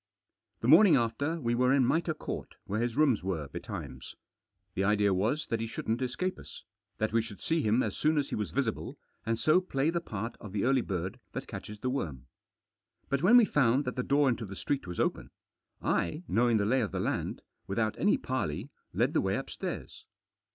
The morning after we were in Mitre Court, where his rooms were, betimes. The idea was that he shouldn't escape us, that we should see him as soon as he was visible, and so play the part of the early bird that catches the worm. But when we found that the door into the street was open, I, knowing the lay of the land, without any parley, led the way upstairs.